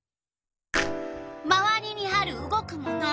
まわりにある動くもの。